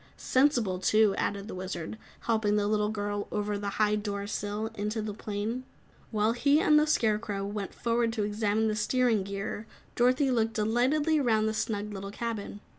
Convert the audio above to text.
"Sensible, too," added the Wizard, helping the little girl over the high door sill and into the plane. While he and the Scarecrow went forward to examine the steering gear, Dorothy looked delightedly 'round the snug little cabin.